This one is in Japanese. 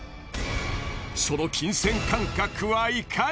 その金銭感覚はいかに？